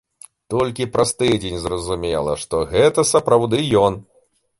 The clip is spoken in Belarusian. Толькі праз тыдзень зразумела, што гэта сапраўды ён.